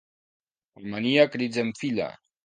La manilla crits enfila.